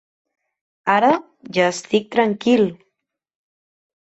Ara ja estic tranquil.